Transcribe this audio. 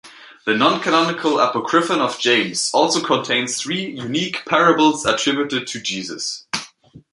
The noncanonical Apocryphon of James also contains three unique parables attributed to Jesus.